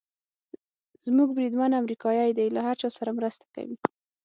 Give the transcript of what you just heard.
زموږ بریدمن امریکایي دی، له هر چا سره مرسته کوي.